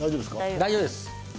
大丈夫です。